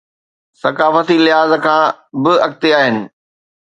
ثقافتي لحاظ کان به اڳتي آهن.